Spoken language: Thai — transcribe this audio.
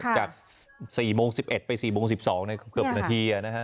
จาก๔โมง๑๑ไป๔โมง๑๒ในเกือบนาที